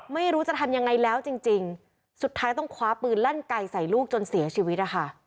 ไม่รู้จะทำยังไงแล้วจริงจริงสุดท้ายต้องคว้าปืนลั่นไก่ใส่ลูกจนเสียชีวิตนะคะ